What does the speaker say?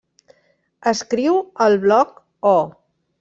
Escriu el blog Oh!